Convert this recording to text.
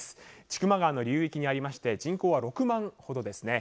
千曲川の流域にありまして人口は６万ほどですね。